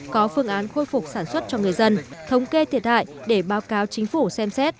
có phương án khôi phục sản xuất cho người dân thống kê thiệt hại để báo cáo chính phủ xem xét